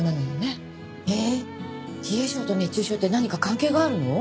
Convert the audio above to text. えっ冷え性と熱中症って何か関係があるの？